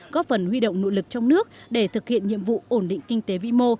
góp phần huy động nỗ lực trong nước để thực hiện nhiệm vụ ổn định kinh tế vi mô